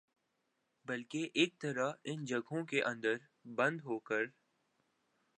بلکہ ایک طرح سے ان جگہوں کے اندر بند ہوکر